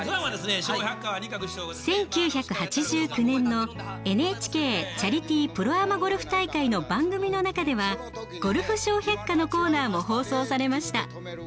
１９８９年の「ＮＨＫチャリティープロアマゴルフ大会」の番組の中では「ゴルフ笑百科」のコーナーも放送されました。